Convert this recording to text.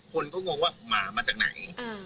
คือตอนนั้นหมากกว่าอะไรอย่างเงี้ย